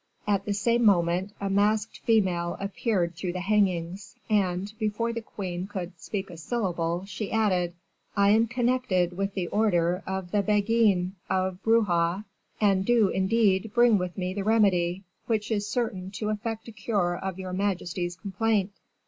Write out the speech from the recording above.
At the same moment, a masked female appeared through the hangings, and, before the queen could speak a syllable she added, "I am connected with the order of the Beguines of Bruges, and do, indeed, bring with me the remedy which is certain to effect a cure of your majesty's complaint."